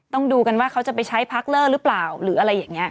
ดูกันว่าเขาจะไปใช้พักเลอร์หรือเปล่าหรืออะไรอย่างนี้